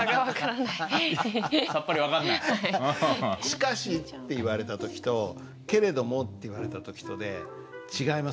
「しかし」って言われた時と「けれども」って言われた時とで違います？